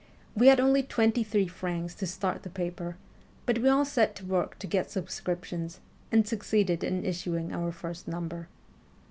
We had only twenty three francs to start the paper, but we all set to work to get subscrip tions, and succeeded in issuing our first number.